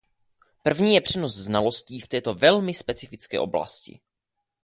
První je přenos znalostí v této velmi specifické oblasti.